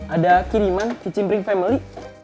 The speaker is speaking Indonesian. ada kiriman ke cimbring family